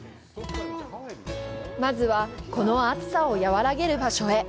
まずはこの暑さをやわらげる場所へ。